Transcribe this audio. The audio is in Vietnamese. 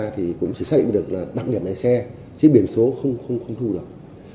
thì cũng chỉ xác định được là đặc điểm lái xe chứ biển số không thu được